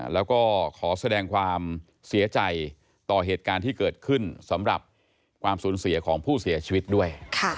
แล้วก็ขอแสดงความเสียใจต่อเหตุการณ์ที่เกิดขึ้นสำหรับความสูญเสียของผู้เสียชีวิตด้วย